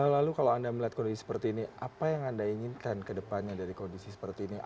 lalu kalau anda melihat kondisi seperti ini apa yang anda inginkan ke depannya dari kondisi seperti ini